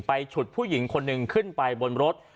ฉุดผู้หญิงคนหนึ่งขึ้นไปบนรถ